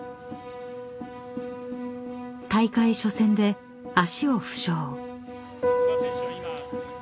［大会初戦で足を負傷］